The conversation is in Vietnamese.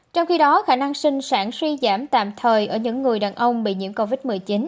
trong khi đó khả năng sinh sản suy giảm tạm thời ở những người đàn ông bị nhiễm covid một mươi chín